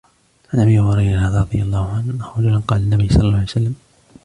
عنْ أبي هُريرةَ رَضِي اللهُ عَنْهُ، أنَّ رَجُلاً قالَ للنَّبيِّ صَلَّى اللهُ عَلَيْهِ وَسَلَّمَ: